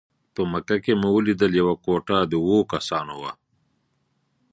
په مکه کې مو ولیدل یوه کوټه د اوو کسانو وه.